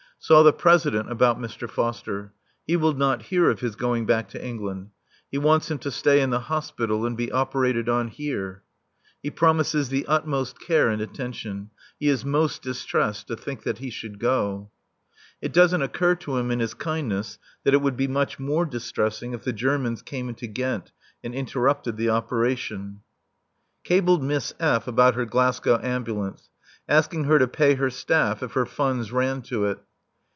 Saw the President about Mr. Foster. He will not hear of his going back to England. He wants him to stay in the Hospital and be operated on here. He promises the utmost care and attention. He is most distressed to think that he should go. It doesn't occur to him in his kindness that it would be much more distressing if the Germans came into Ghent and interrupted the operation. Cabled Miss F. about her Glasgow ambulance, asking her to pay her staff if her funds ran to it.